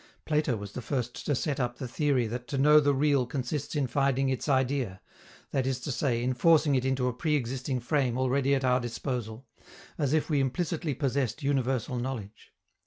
Plato was the first to set up the theory that to know the real consists in finding its Idea, that is to say, in forcing it into a pre existing frame already at our disposal as if we implicitly possessed universal knowledge.